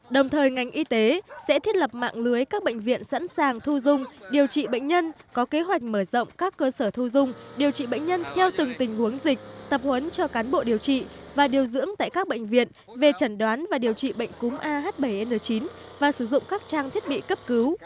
đồng thời ngành y tế sẽ thiết lập mạng lưới các bệnh viện sẵn sàng thu dung điều trị bệnh nhân có kế hoạch mở rộng các cơ sở thu dung điều trị bệnh nhân theo từng tình huống dịch tập huấn cho cán bộ điều trị và điều dưỡng tại các bệnh viện về trần đoán và điều trị bệnh cúm ah bảy n chín và sử dụng các trang thiết bị cấp cứu